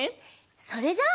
それじゃあ。